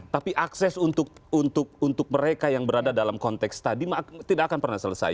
tapi akses untuk mereka yang berada dalam konteks tadi tidak akan pernah selesai